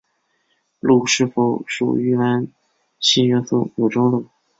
镥是否属于镧系元素有争论。